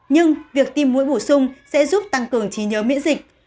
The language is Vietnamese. nhưng việc tim mũi bổ sung sẽ giúp tăng cường trí nhớ miễn dịch